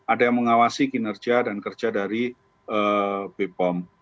ada yang mengawasi kinerja dan kerja dari bepom